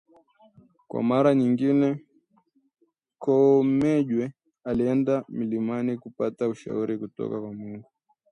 Kwa mara nyingine Koomenjwe alienda mlimani kupata ushauri kutoka kwa Mungu